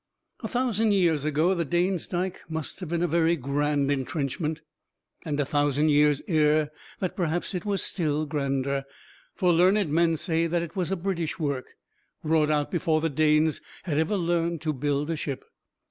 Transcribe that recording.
A thousand years ago the Dane's Dike must have been a very grand intrenchment, and a thousand years ere that perhaps it was still grander; for learned men say that it was a British work, wrought out before the Danes had ever learned to build a ship.